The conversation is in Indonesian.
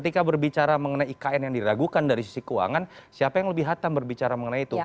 ketika berbicara mengenai ikn yang diragukan dari sisi keuangan siapa yang lebih hatam berbicara mengenai itu